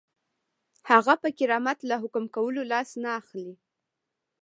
هغه پر کرامت له حکم کولو لاس نه اخلي.